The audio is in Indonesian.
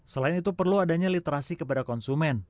selain itu perlu adanya literasi kepada konsumen